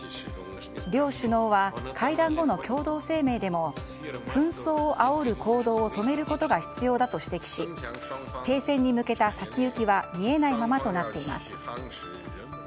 両首脳は会談後の共同声明でも紛争をあおる行動を止めることが必要だと指摘し停戦に向けた先行きは見えないままとなっています。